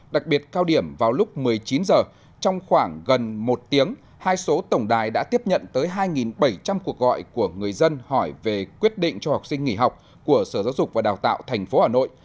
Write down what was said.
đặc biệt cao điểm vào lúc một mươi chín h trong khoảng gần một tiếng hai số tổng đài đã tiếp nhận tới hai bảy trăm linh cuộc gọi của người dân hỏi về quyết định cho học sinh nghỉ học của sở giáo dục và đào tạo tp hà nội